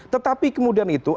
tetapi kemudian itu